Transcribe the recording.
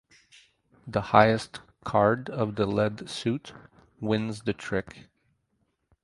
The highest card of the led suit wins the trick.